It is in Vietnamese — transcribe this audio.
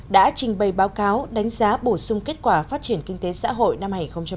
đã trình bày báo cáo đánh giá bổ sung kết quả phát triển kinh tế xã hội năm hai nghìn một mươi chín